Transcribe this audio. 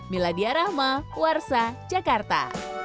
miladia rahma warsa jakarta